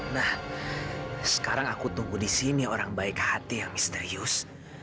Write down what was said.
nah sekarang aku tunggu di sini orang baik hati yang misterius